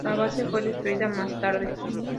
La base fue destruida más tarde.